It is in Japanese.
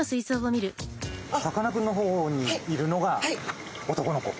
さかなクンの方にいるのが男の子。